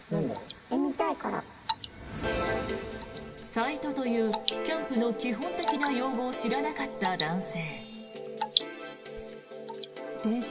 サイトというキャンプの基本的な用語を知らなかった男性。